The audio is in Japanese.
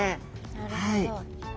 なるほど。